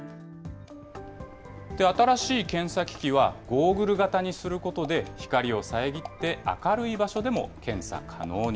新しい検査機器は、ゴーグル型にすることで、光を遮って、明るい場所でも検査可能に。